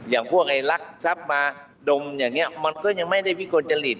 อย่างพวกไอ้รักทรัพย์มาดมอย่างนี้มันก็ยังไม่ได้วิกลจริต